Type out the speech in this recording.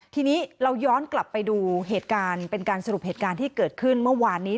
ทีนี้เราย้อนกลับไปดูเหตุการณ์เป็นการสรุปเหตุการณ์ที่เกิดขึ้นเมื่อวานนี้